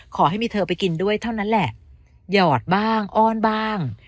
ขอให้มีเธอไปกินด้วยเท่านั้นแหละหยอดบ้างอ้อนบ้าง